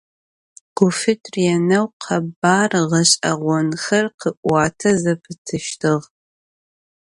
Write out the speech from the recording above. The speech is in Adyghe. Gufit rêneu khebar ğeş'eğonxer khı'uate zepıtıştığ.